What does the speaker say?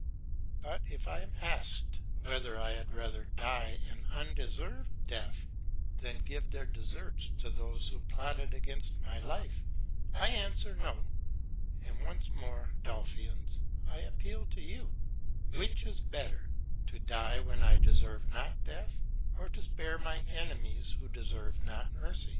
But if I am asked, whether I had rather die an undeserved death than give their deserts to those who plotted against my life, I answer no; and once more, Delphians, I appeal to you: which is better to die when I deserve not death, or to spare my enemies who deserve not mercy?